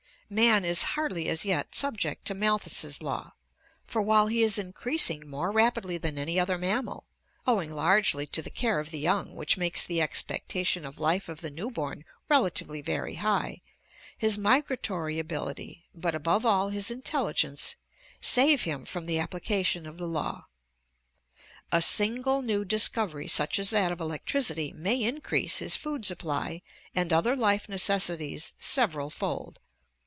Man is hardly as yet subject to Malthus' law, for while he is increasing more rapidly than any other mammal, owing largely to the care of the young which makes the expectation of life of the new born relatively very high, his migratory ability, but above all his intelligence, save him from the application of the law. A single new discovery such as that of electricity may increase his food supply and other life necessities several fold.